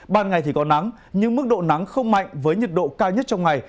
ban ngày thì có nắng nhưng mức độ nắng không mạnh với nhiệt độ cao nhất trong ngày